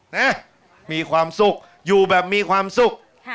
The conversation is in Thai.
นะมีความสุขอยู่แบบมีความสุข